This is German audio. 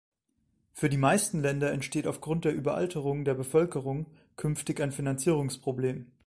Für die meisten Länder entsteht aufgrund der Überalterung der Bevölkerung künftig ein Finanzierungsproblem.